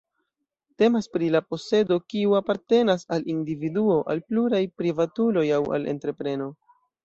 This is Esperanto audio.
Temas pri la posedo, kiu apartenas al individuo, al pluraj privatuloj aŭ al entrepreno.